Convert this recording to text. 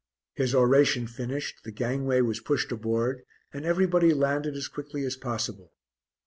His oration finished, the gangway was pushed aboard and everybody landed as quickly as possible.